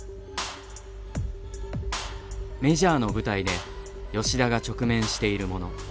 メジャーの舞台で吉田が直面しているもの。